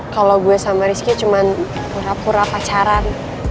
kalau gue sama rizky cuma pura pura pacaran